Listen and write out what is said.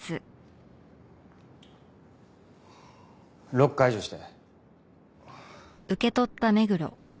ロック解除して。